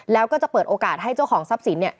แล้วก็จะเปิดโอกาสให้เจ้าของทรัพย์สินเนี่ย